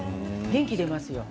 元気が出ますよ。